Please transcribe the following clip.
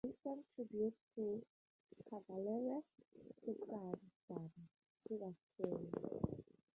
This song tributes to Cavalera's stepson Dana, who was killed.